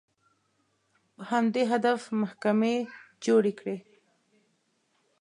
په همدې هدف محکمې جوړې کړې